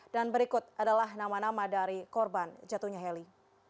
dan berikut adalah nama nama dari korban jatuhnya heli